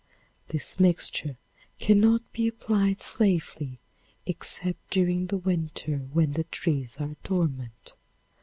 This mixture cannot be applied safely except during the winter when the trees are dormant.